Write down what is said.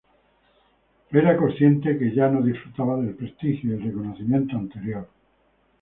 Era consciente que ya no disfrutaba del prestigio y el reconocimiento anterior.